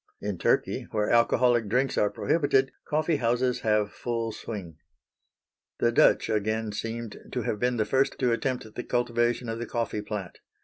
In Turkey, where alcoholic drinks are prohibited, coffee houses have full swing. The Dutch again seemed to have been the first to attempt the cultivation of the coffee plant.